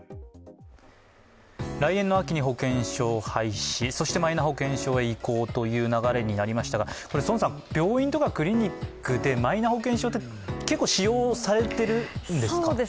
来年の秋に保険証を廃止そしてマイナ保険証へ移行ということになりましたが宋さん、病院とかクリニックでマイナ保険証って結構使用されているんですか？